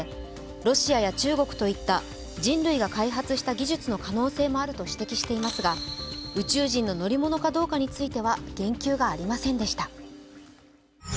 ロシアや中国といった人類が開発した技術の可能性もあると指摘していますが宇宙人の乗り物かどうかについては言及がありませんでした。